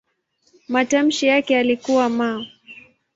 Matamshi yake yalikuwa "m".